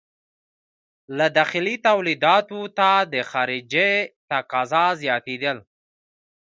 له داخلي تولیداتو ته د خارجې تقاضا زیاتېدل.